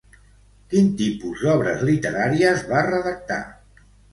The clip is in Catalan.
Quin tipus d'obres literàries va redactar?